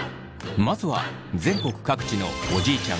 まずは全国各地のおじいちゃん